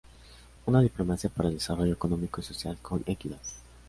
Una diplomacia para el desarrollo económico y social con equidad.